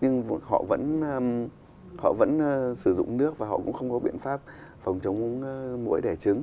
nhưng họ vẫn sử dụng nước và họ cũng không có biện pháp phòng chống mũi đẻ trứng